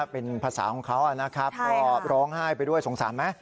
เป็นภาษาของเขาครับเพราะร้องไห้ไปด้วยสงสันไหม